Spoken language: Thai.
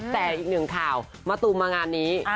แต่อีกหนึ่งข่าวมะตูมมางานนี้